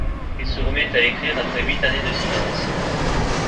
Il se remet à écrire après huit années de silence.